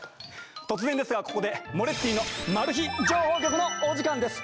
突然ですがここで「モレッティの情報局」のお時間です。